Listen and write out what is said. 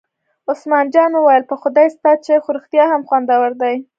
عثمان جان وویل: په خدای ستا چای خو رښتیا هم خوندور دی.